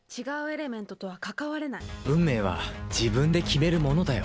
運命は自分で決めるものだよ。